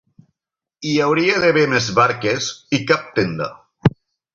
Hi hauria d'haver més barques i cap tenda.